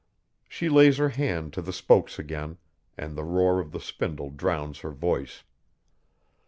She lays her hand to the spokes again and the roar of the spindle drowns her voice.